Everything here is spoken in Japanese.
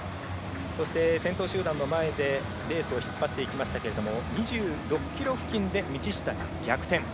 そして、先頭集団の前でレースを引っ張っていきましたけど２６ｋｍ付近で道下が逆転。